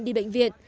đi bệnh viện